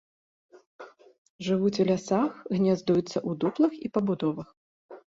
Жывуць у лясах, гняздуюцца ў дуплах і пабудовах.